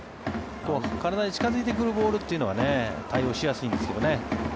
体に近付いてくるボールは対応しやすいんですけどね。